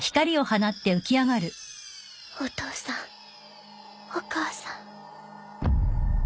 お父さんお母さん。